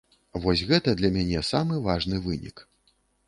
Вось гэта для мяне самы важны вынік.